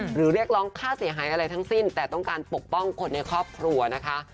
เรียกร้องค่าเสียหายอะไรทั้งสิ้นแต่ต้องการปกป้องคนในครอบครัวนะคะ